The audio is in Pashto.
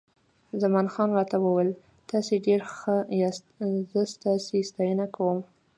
خان زمان راته وویل: تاسي ډېر ښه یاست، زه ستاسي ستاینه کوم.